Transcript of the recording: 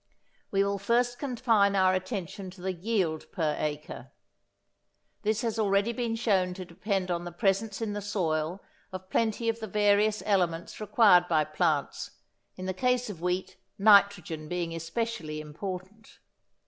We will first confine our attention to the yield per acre. This has already been shown to depend on the presence in the soil of plenty of the various elements required by plants, in the case of wheat nitrogen being especially important.